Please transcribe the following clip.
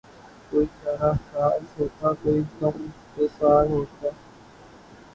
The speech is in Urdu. کوئی چارہ ساز ہوتا کوئی غم گسار ہوتا